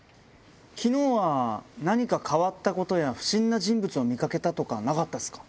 昨日は何か変わったことや不審な人物を見掛けたとかなかったっすか？